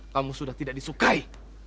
kamu sudah tidak disukai